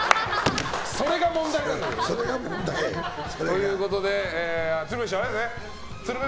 それが問題！ということで鶴瓶師匠